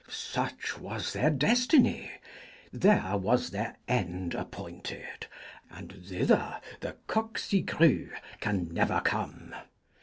Such was their destiny; there was their end appointed, and thither the Coqcigrues can never come.